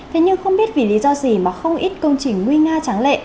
thế nhưng không biết vì lý do gì mà không ít công trình nguy nga tráng lệ